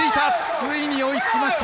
ついに追いつきました。